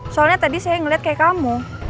soalnya tadi saya ngeliat kayak kamu